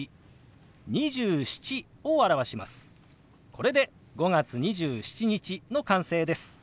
これで「５月２７日」の完成です。